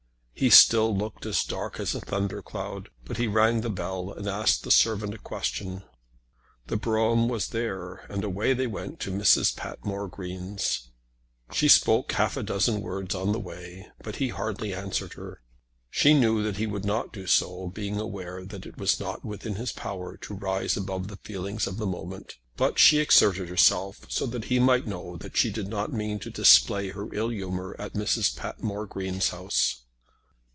He still looked as dark as a thunder cloud, but he rang the bell and asked the servant a question. The brougham was there, and away they went to Mrs. Patmore Green's. She spoke half a dozen words on the way, but he hardly answered her. She knew that he would not do so, being aware that it was not within his power to rise above the feelings of the moment. But she exerted herself so that he might know that she did not mean to display her ill humour at Mrs. Patmore Green's house.